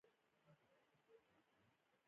د بې طبقې ټولنې د خیالي جنت هیا هوی هم غلی وو.